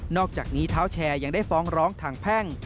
อกจากนี้เท้าแชร์ยังได้ฟ้องร้องทางแพ่ง